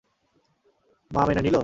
মা মেনে নিলো?